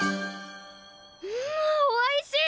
んおいしい！